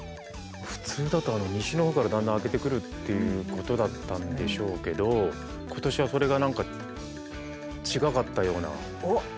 普通だと西の方からだんだん明けてくるっていうことだったんでしょうけど今年はそれが何か違かったような。おっ。